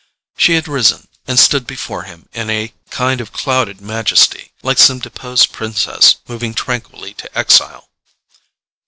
She had risen, and stood before him in a kind of clouded majesty, like some deposed princess moving tranquilly to exile.